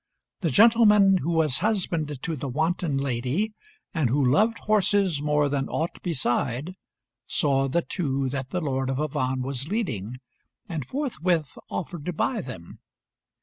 The gentleman who was husband to the wanton lady, and who loved horses more than aught beside, saw the two that the Lord of Avannes was leading, and forthwith offered to buy them.